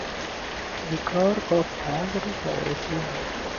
پیکار با فقر و اعتیاد